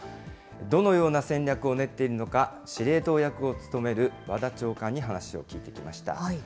どのような戦略を練っているのか、司令塔役を務める和田長官に話を聞いてきました。